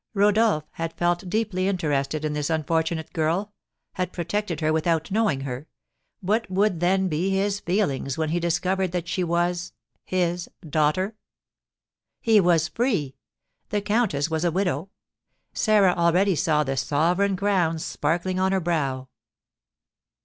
Rodolph had felt deeply interested in this unfortunate girl, had protected her without knowing her; what would then be his feelings when he discovered that she was his daughter? He was free the countess was a widow! Sarah already saw the sovereign crown sparkling on her brow.